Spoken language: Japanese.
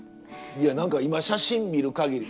いや何か今写真見る限り